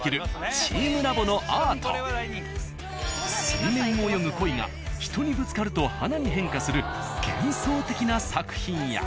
水面を泳ぐ鯉が人にぶつかると花に変化する幻想的な作品や。